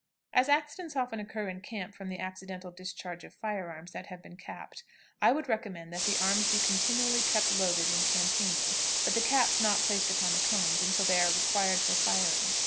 As accidents often occur in camp from the accidental discharge of fire arms that have been capped, I would recommend that the arms be continually kept loaded in campaigning, but the caps not placed upon the cones until they are required for firing.